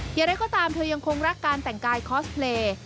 อย่างไรก็ตามเธอยังคงรักการแต่งกายคอสเพลย์